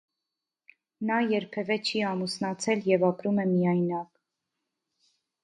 Նա երբևէ չի ամուսնացել և ապրում է միայնակ։